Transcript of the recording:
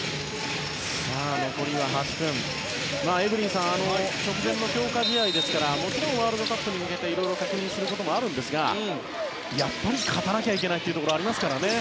エブリンさん直前の強化試合ですからもちろんワールドカップに向けていろいろ確認することもあるんですがやっぱり勝たなきゃいけないところはありますよね。